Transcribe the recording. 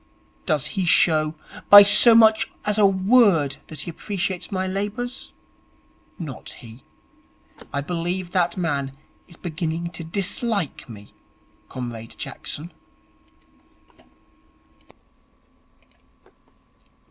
Does he show by so much as a word that he appreciates my labours? Not he. I believe that man is beginning to dislike me, Comrade Jackson.'